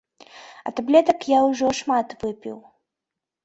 А таблетак я ужо шмат выпіў.